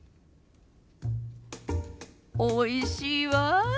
おいしいわあ。